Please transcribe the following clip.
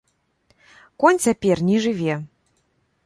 Конь цяпер не жыве.